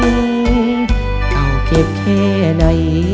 เอาเก็บแค่ไหน